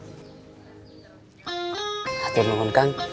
satu minum kang